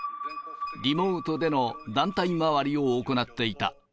リモートでの団体回りを行っていた。